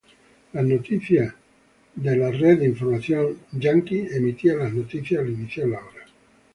Las noticias de "American Information Network" emitía las noticias al iniciar la hora.